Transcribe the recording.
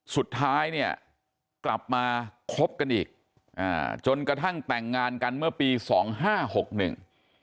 สุดท้ายเนี่ยกลับมาคบกันอีกอ่าจนกระทั่งแต่งงานกันเมื่อปีสองห้าหกหนึ่ง